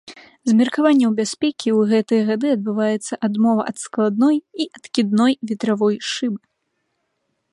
З меркаванняў бяспекі ў гэтыя гады адбываецца адмова ад складной і адкідной ветравой шыбы.